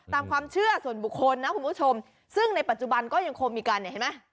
ตามความเชื่อส่วนบุคคลนะคุณผู้ชมซึ่งในปัจจุบันก็ยังคงมีการเนี่ยเห็นไหม